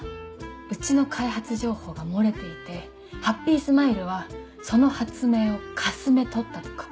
うちの開発情報が漏れていてハッピースマイルはその発明をかすめ取ったとか。